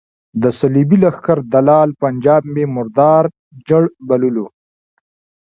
د صلیبي لښکر دلال پنجاب مې مردار جړ بللو.